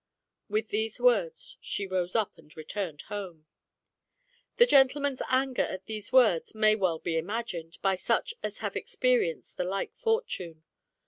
With these words she rose up and returned home. The gentleman's anger at these words may well be imagined by such as have experienced the like fortune.